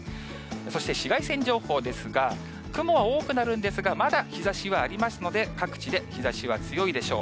そして紫外線情報ですが、雲は多くなるんですが、まだ日ざしはありますので、各地で日ざしは強いでしょう。